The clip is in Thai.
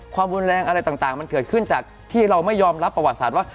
ความรุนแรงอะไรต่างมันเกิดขึ้นจากที่เราไม่ยอมรับประวัติศาสตร์ว่า